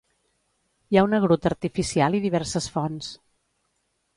Hi ha una gruta artificial i diverses fonts.